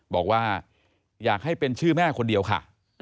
บอกว่าอยากให้เป็นชื่อแม่คนเดียวค่ะ